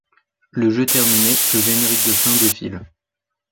Le jeu terminé, le générique de fin défile.